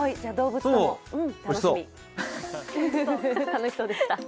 楽しそうでした。